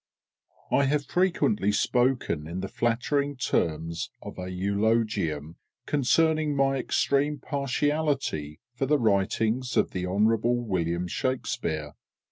_ I have frequently spoken in the flattering terms of a eulogium concerning my extreme partiality for the writings of Hon'ble WILLIAM SHAKSPEARE.